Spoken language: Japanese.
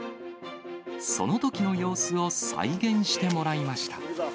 そのときの様子を再現してもらいました。